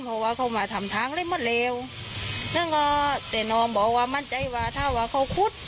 เพราะว่าเขามาทำทางได้หมดแล้วนั่นก็แต่น้องบอกว่ามั่นใจว่าถ้าว่าเขาคุด